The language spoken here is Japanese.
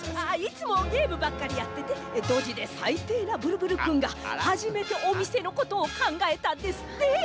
あいつもゲームばっかりやっててドジでさいていなブルブルくんがはじめておみせのことをかんがえたんですって。